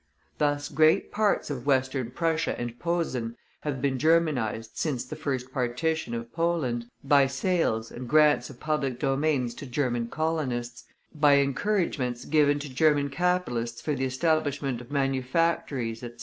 Thus, great parts of Western Prussia and Posen have been Germanized since the first partition of Poland, by sales and grants of public domains to German colonists, by encouragements given to German capitalists for the establishment of manufactories, etc.